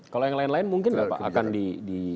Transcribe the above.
kalau yang lain lain mungkin nggak pak